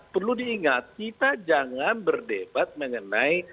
perlu diingat kita jangan berdebat mengenai